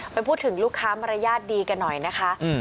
ไปพูดถึงลูกค้ามารยาทดีกันหน่อยนะคะ